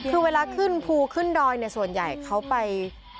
คือเวลาขึ้นภูขึ้นดอยเนี่ยส่วนใหญ่เขาไป